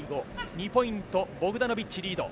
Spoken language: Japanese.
２ポイント、ボクダノビッチがリード。